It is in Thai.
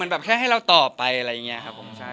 แบบแค่ให้เราตอบไปอะไรอย่างนี้ครับผม